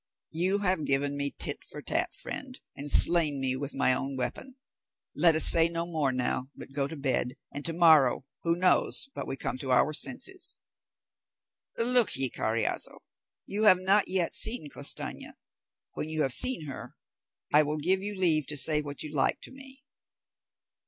"You have given me tit for tat, friend, and slain me with my own weapon. Let us say no more now, but go to bed, and to morrow who knows but we come to our senses?" "Look ye, Carriazo, you have not yet seen Costanza; when you have seen her, I will give you leave to say what you like to me."